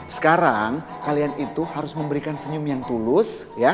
sekarang kalian itu harus memberikan senyum yang tulus